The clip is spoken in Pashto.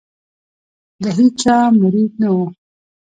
د هیچا مرید نه وو.